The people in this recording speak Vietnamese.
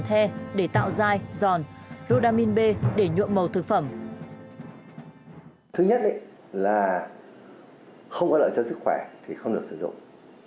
thứ nhất là không có lợi cho sức khỏe thì không được sử dụng